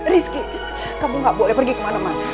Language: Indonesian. rizky kamu gak boleh pergi kemana mana